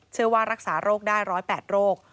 เชื่อว่ารักษาโรคได้๑๐๘โรค